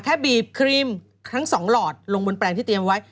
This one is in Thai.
บีบครีมทั้งสองหลอดลงบนแปลงที่เตรียมไว้